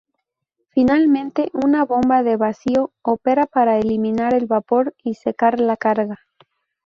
Finalmente, una bomba de vacío opera para eliminar el vapor y secar la carga.